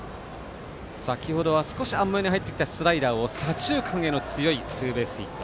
先ほどは甘めに入ってきたスライダーを左中間への強いツーベースヒット。